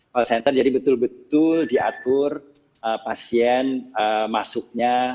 call center jadi betul betul diatur pasien masuknya